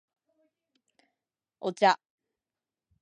お茶